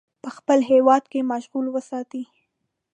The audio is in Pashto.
په خپل هیواد کې مشغول وساتي.